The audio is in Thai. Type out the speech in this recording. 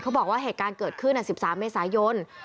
บอกว่าเหตุการณ์เกิดขึ้น๑๓เมษายน